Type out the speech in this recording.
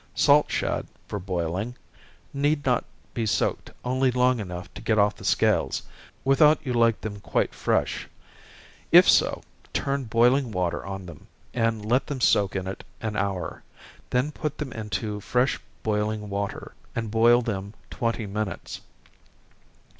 Salt shad, for boiling, need not be soaked only long enough to get off the scales, without you like them quite fresh if so, turn boiling water on them, and let them soak in it an hour then put them into fresh boiling water, and boil them twenty minutes.